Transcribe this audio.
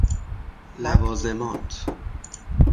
لوازمات